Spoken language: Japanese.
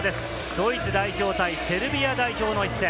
ドイツ代表対セルビア代表の一戦。